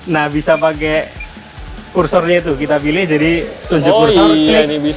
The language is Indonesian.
nah bisa pakai kursornya itu kita pilih jadi tunjuk kursi